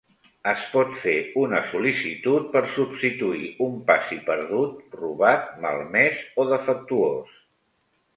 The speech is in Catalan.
Es pot fer una sol·licitud per substituir un passi perdut, robat, malmès o defectuós.